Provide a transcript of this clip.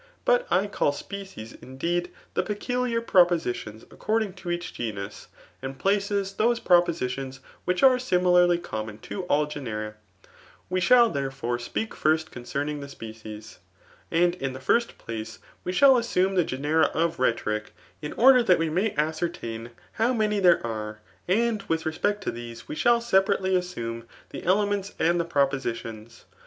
But I call species, indeed, the peculiar propositions according to each genus ; and places, those proposhions which are similarly common to all genera; We shall, therefore, speak first concerning the species. ' And in the first place we shall assume the genera df rhetoric, in order that we may ascertain how many there are, and with respect to these we shall separately assuQ^ ib^'demencs and the propositions.